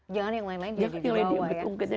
jangan yang lain lain jadi di bawah ya